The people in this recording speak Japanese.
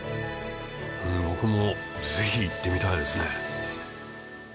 僕もぜひ行ってみたいですね。